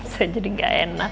saya jadi gak enak